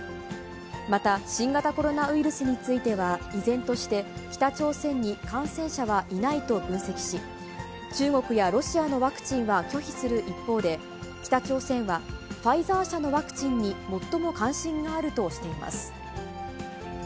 また、新型コロナウイルスについては、依然として北朝鮮に感染者はいないと分析し、中国やロシアのワクチンは拒否する一方で、北朝鮮は、ファイザー社のワクチンに最も関心があるとしています。